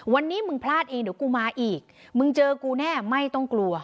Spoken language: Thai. วันนี้มึงพลาดเองเดี๋ยวกูมาอีกมึงเจอกูแน่ไม่ต้องกลัว